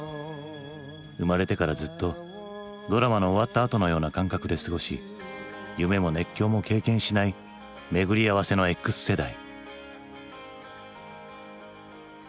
生まれてからずっとドラマの終わったあとのような感覚で過ごし夢も熱狂も経験しない巡り合わせのＸ世代。